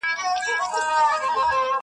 د تاریخي کرنې آلات ساده وو.